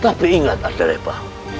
tapi ingat wartalepa